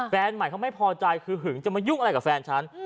แฟนใหม่เขาไม่พอใจคือหึงจะมายุ่งอะไรกับแฟนฉัน